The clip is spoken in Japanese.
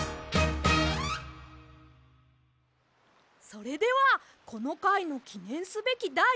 それではこのかいのきねんすべきだい